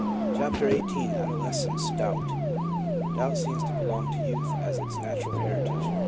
CHAPTER XVIII ADOLESCENC E— D OUBT DOUBT seems to belong to youth as its natural heritage.